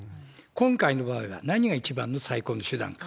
今回の場合は何が一番の最高の手段か。